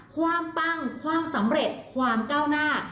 ปังความสำเร็จความก้าวหน้า